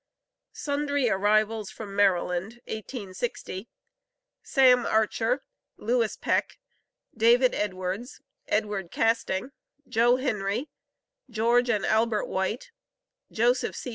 SUNDRY ARRIVALS FROM MARYLAND, 1860. SAM ARCHER, LEWIS PECK, DAVID EDWARDS, EDWARD CASTING, JOE HENRY, GEORGE AND ALBERT WHITE, JOSEPH C.